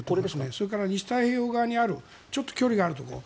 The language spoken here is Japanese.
それから西太平洋側にあるちょっと距離があるところ。